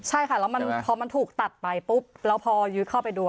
ใช่ค่ะแล้วพอมันถูกตัดไปปุ๊บแล้วพอยืดเข้าไปดู